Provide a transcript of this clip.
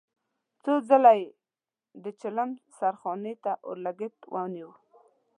څو ځله يې د چيلم سرخانې ته اورلګيت ونيو.